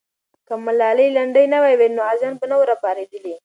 که ملالۍ لنډۍ نه وای ویلې، نو غازیان به نه وای راپارېدلي.